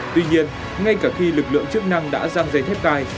tuy nhiên ngay cả khi lực lượng chức năng đã giang dây thép cai